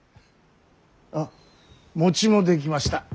あっ餅も出来ました。